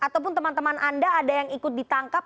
ataupun teman teman anda ada yang ikut ditangkap